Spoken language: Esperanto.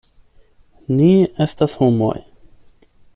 Ni estas homoj.